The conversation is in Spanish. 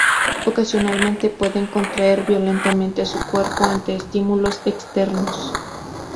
Ocasionalmente, pueden contraer violentamente su cuerpo ante estímulos externos.